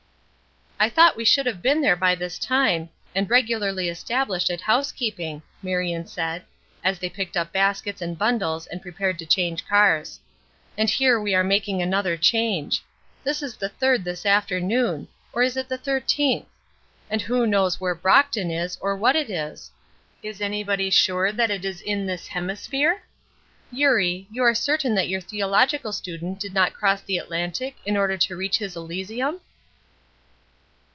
"I thought we should have been there by this time, and regularly established at housekeeping," Marion said, as they picked up baskets and bundles and prepared to change cars; "and here we are making another change. This is the third this afternoon, or is it the thirteenth? and who knows where Brocton is or what it is? Is anybody sure that it is in this hemisphere? Eurie, you are certain that your theological student did not cross the Atlantic in order to reach his elysium?"